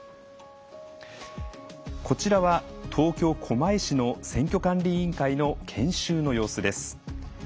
こちらは東京・狛江市の選挙管理委員会の研修の様子です。